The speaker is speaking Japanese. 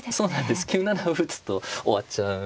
９七歩を打つと終わっちゃうんですね